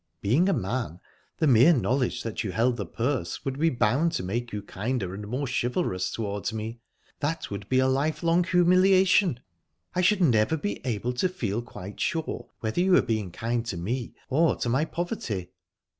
Being a man, the mere knowledge that you held the purse would be bound to make you kinder and more chivalrous towards me. That would be a lifelong humiliation. I should never be able to feel quite sure whether you were being kind to me or to my poverty."